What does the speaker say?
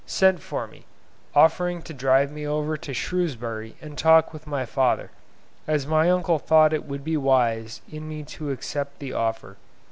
sent for me, offering to drive me over to Shrewsbury and talk with my father, as my uncle thought it would be wise in me to accept the offer.